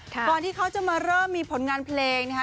ก่อนที่เขาจะมาเริ่มมีผลงานเพลงนะคะ